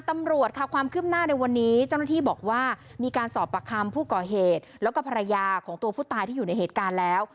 ตำรวจค่ะความคืบหน้าในวันนี้เจ้าหน้าที่บอกว่ามีการสอบประคำผู้ก่อเหตุแล้วก็ภรรยาของตัวผู้ตายที่อยู่ในเหตุการณ์แล้ว